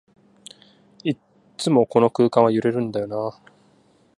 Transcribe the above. いっつもこの区間は揺れるんだよなあ